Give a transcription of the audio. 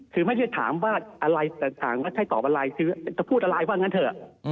คือไม่ได้ถามว่าอะไรต่างว่าใช่ตอบอะไรคือจะพูดอะไรว่างั้นเถอะ